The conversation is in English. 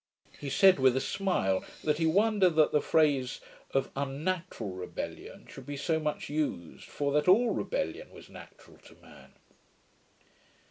He said, with a smile, that 'he wondered that the phrase of UNNATURAL rebellion should be so much used, for that all rebellion was natural to man'.